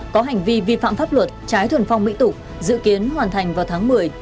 có hành vi vi phạm pháp luật trái thuần phong mỹ tục dự kiến hoàn thành vào tháng một mươi